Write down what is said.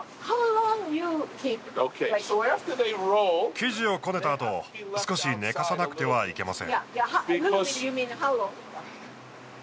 生地をこねたあと少し寝かさなくてはいけません。